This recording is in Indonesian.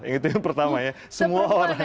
yang itu yang pertama ya